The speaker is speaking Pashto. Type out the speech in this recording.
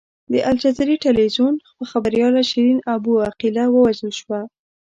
د الجزیرې ټلویزیون خبریاله شیرین ابو عقیله ووژل شوه.